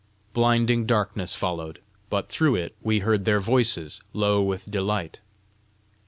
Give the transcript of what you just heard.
Blinding darkness followed, but through it we heard their voices, low with delight.